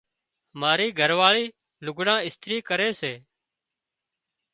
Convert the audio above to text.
مارِي گھرواۯِي لُگھڙان اِسترِي ڪري سي۔